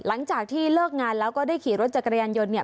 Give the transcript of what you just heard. หลังจากที่เลิกงานแล้วก็ได้ขี่รถจักรยานยนต์เนี่ย